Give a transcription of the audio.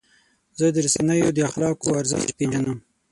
زه د رسنیو د اخلاقو ارزښت پیژنم.